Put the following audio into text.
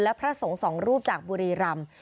และพระสงฆ์สองรูปจากบุรีรำ